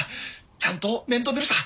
ちゃんと面倒見るさ。